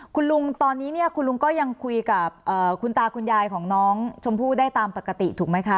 คุณลุงตอนนี้เนี่ยคุณลุงก็ยังคุยกับคุณตาคุณยายของน้องชมพู่ได้ตามปกติถูกไหมคะ